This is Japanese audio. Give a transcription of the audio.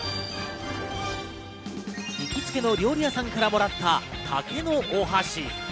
行きつけの料理屋さんからもらった竹のお箸。